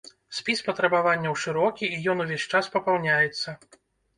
Спіс патрабаванняў шырокі, і ён увесь час папаўняецца.